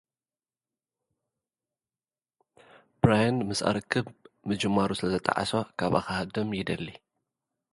ብራየን ምስኣ ርክብ ምጅማሩ ስለ ዘጠዓሶ፡ ካብኣ ኽሃድም ይደሊ።